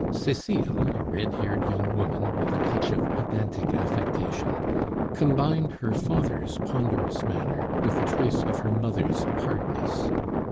Cecile, a red haired young woman, with a touch of pedantic affectation, combined her father's ponderous manner with a trace of her mother's hardness.